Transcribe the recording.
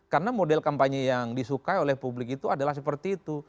karena model kampanye yang disukai oleh publik itu adalah seperti itu